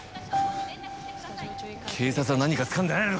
警察は何かつかんでないのか。